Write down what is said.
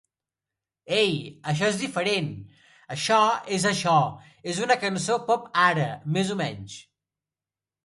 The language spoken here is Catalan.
Hell, això és diferent, això és això és una cançó pop ara, més o menys.